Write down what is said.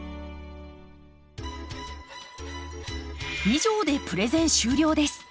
以上でプレゼン終了です。